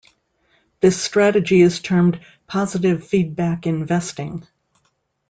This strategy is termed positive feedback investing.